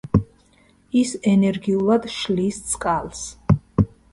ის ენერგიულად შლის წყალს.